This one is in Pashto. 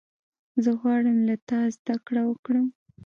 زه غواړم له تا زدهکړه وکړم.